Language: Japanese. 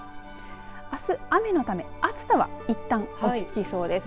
あす、雨のため暑さはいったん落ち着きそうです。